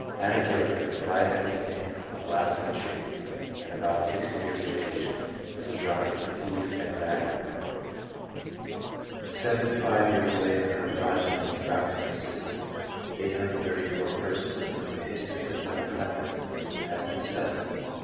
Ada Jurke, who died at the beginning of last century, at about sixty years of age, was a drunkard, a thief, and a vagabond. Seventy five years later her progeny was found to consist of 834 persons of whom the history of 700 has been studied.